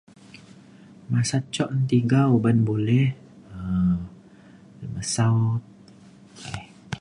masat jok na tiga uban boleh um lu mesau um